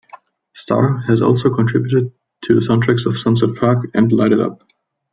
Starr has also contributed to the soundtracks of "Sunset Park" and "Light It Up".